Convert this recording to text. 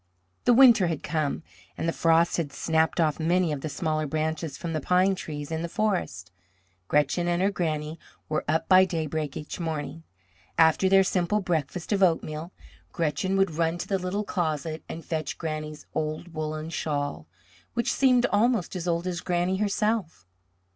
The winter had come and the frost had snapped off many of the smaller branches from the pine trees in the forest. Gretchen and her Granny were up by daybreak each morning. After their simple breakfast of oatmeal, Gretchen would run to the little closet and fetch Granny's old woollen shawl, which seemed almost as old as Granny herself.